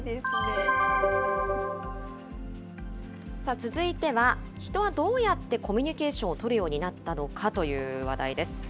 続いては、ヒトはどうやってコミュニケーションを取るようになったのかという話題です。